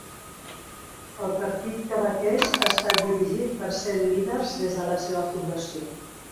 El Partit Quebequès ha estat dirigit per set líders des de la seva fundació.